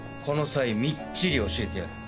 この際みっちり教えてやる。